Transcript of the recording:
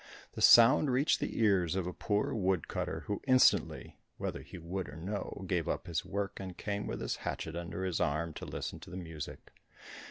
The sound reached the ears of a poor wood cutter, who instantly, whether he would or no, gave up his work and came with his hatchet under his arm to listen to the music.